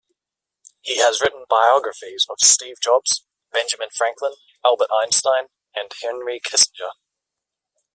He has written biographies of Steve Jobs, Benjamin Franklin, Albert Einstein, and Henry Kissinger.